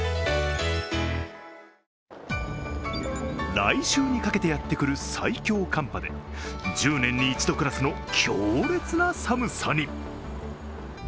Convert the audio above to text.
来週にかけてやってくる最強寒波で１０年に一度クラスの強烈な寒さに。